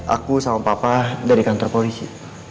aku sama papa dari kantor polisi